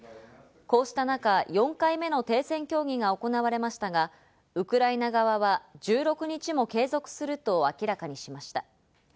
こうした中、４回目の停戦協議が行われましたが、ウクライナ側は１６日も継続すると明らかにしました。